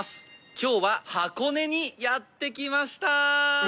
今日は箱根にやってきました。